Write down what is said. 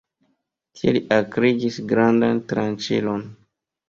Tie li akrigis grandan tranĉilon.